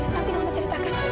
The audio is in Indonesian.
nanti mama ceritakan